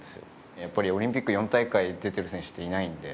やっぱり、オリンピック４大会出てる選手っていないんで。